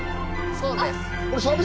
そうです。